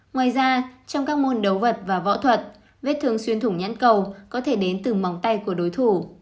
ngoài ra trong các môn đấu vật và võ thuật viết thương xuyên thùng nhãn cầu có thể đến từ móng tay của đối thủ